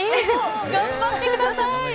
頑張ってください！